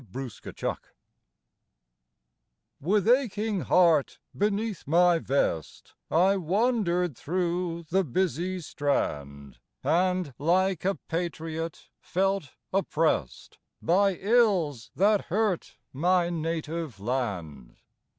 r^gglTH aching heart beneath my vest II IPg I wandered through the busy Strand, ^^‚ñÝ^And hke a patriot felt opprest By ills that hurt my native land.